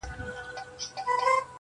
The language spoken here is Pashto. لېونتوب ته په خندا یې هر سړی وو!!